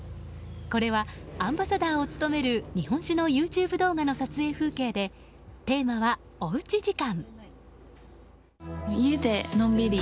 これはアンバサダーを務める日本酒のＹｏｕＴｕｂｅ動画の撮影風景でテーマは、おうち時間。